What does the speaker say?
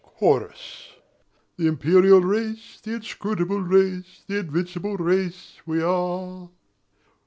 Chorus The Imperial race, the inscrutable race, The invincible race we are.